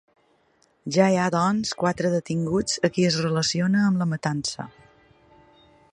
Ja hi ha, doncs, quatre detinguts a qui es relaciona amb la matança.